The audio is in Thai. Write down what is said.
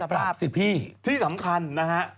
ใช่ตามสิพี่ที่สำคัญนะฮะ